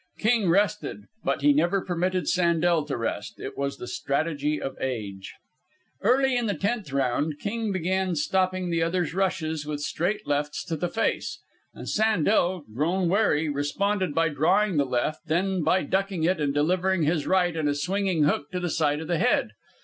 King rested, but he never permitted Sandel to rest. It was the strategy of Age. Early in the tenth round King began stopping the other's rushes with straight lefts to the face, and Sandel, grown wary, responded by drawing the left, then by ducking it and delivering his right in a swinging hook to the side of the head.